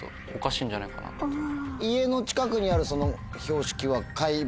家の近くにあるその。